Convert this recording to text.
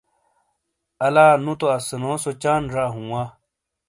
الا نو تو اسنو سو چاند زا ہوں وا۔